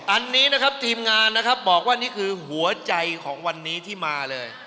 อันนี้นะครับทีมงานนะครับบอกว่านี่คือหัวใจของวันนี้ที่มาเลย